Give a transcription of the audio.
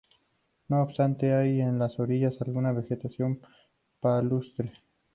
No obstante, hay en las orillas alguna vegetación palustre.